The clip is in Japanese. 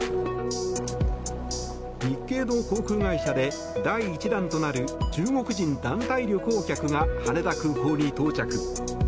日系の航空会社で第１弾となる中国人団体旅行客が羽田空港に到着。